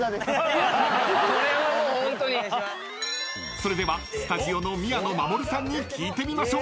［それではスタジオの宮野真守さんに聞いてみましょう］